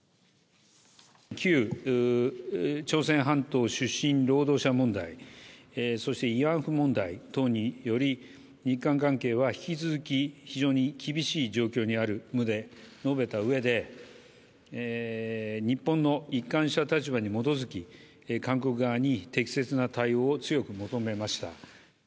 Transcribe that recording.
旧朝鮮半島出身労働者問題、そして慰安婦問題等により、日韓関係は引き続き、非常に厳しい状況にある旨述べたうえで、日本の一貫した立場に基づき、韓国側に適切な対応を強く求めました。